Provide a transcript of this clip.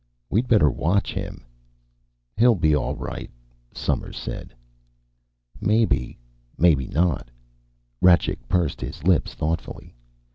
"We'd better watch him." "He'll be all right," Somers said. "Maybe, maybe not." Rajcik pursed his lips thoughtfully.